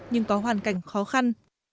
nhưng có hoàn cảnh khó khăn